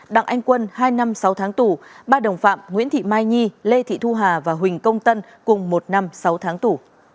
đặng anh quân hai năm sáu tháng tù ba đồng phạm nguyễn thị mai nhi lê thị thu hà và huỳnh công tân cùng một năm sáu tháng tù